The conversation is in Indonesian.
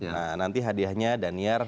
nah nanti hadiahnya danier